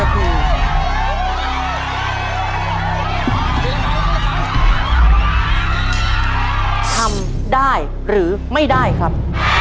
ทำได้หรือไม่ได้ครับ